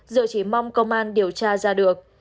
giờ chỉ mong công an điều tra ra được